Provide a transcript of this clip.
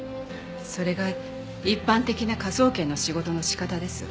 それが一般的な科捜研の仕事の仕方です。